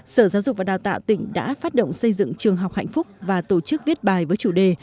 sở giáo dục và đào tạo tỉnh đã phát động xây dựng trường học hạnh phúc và tổ chức viết bài với chủ đề